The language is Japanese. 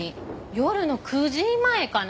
夜の９時前かな。